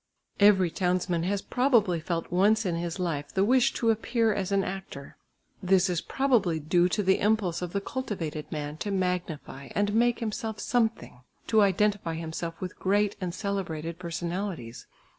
Every townsman has probably felt once in his life the wish to appear as an actor. This is probably due to the impulse of the cultivated man to magnify and make himself something, to identify himself with great and celebrated personalities.